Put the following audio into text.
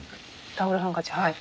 タオルハンカチはい。